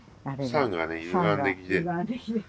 桟がねゆがんできてる。